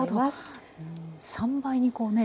３倍にこうね